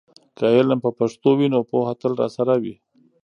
که علم په پښتو وي، نو پوهه تل راسره وي.